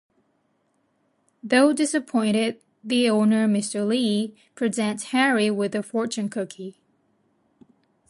Though disappointed, the owner, Mr. Lee, presents Harry with a fortune cookie.